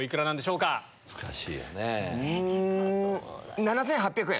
うん７８００円。